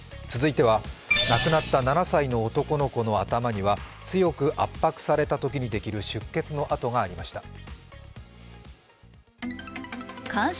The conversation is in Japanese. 続いては、亡くなった７歳の男の子の頭には強く圧迫されたときにできる出血の痕がありました。